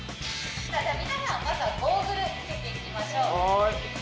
皆さんまずはゴーグル着けていきましょう。